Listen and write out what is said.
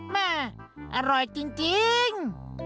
แม่อร่อยจริง